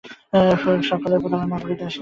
Four সবসময় প্রতারণা করে এসেছে।